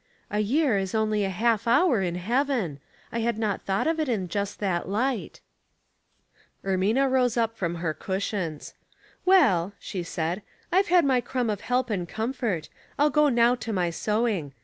" A year is only a half hour in heaven. I had not thought of it in just that light." 310 Household Puzzles, Ermina rose up from her cushions. " Well/' Bhe said, " I've had my crumb of help and com fort; ril go now to my sewing.